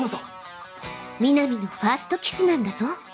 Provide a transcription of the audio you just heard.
南のファーストキスなんだぞ。